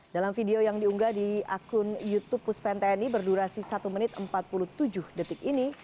dalam video yang diunggah di akun youtube puspen tni berdurasi satu menit empat puluh tujuh detik ini